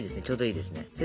ちょうどいいですね。